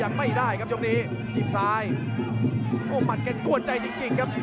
อ้าวถามเข้าไปอีกทีครับ